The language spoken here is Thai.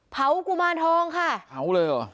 กุมารทองค่ะเผาเลยเหรอ